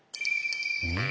うん？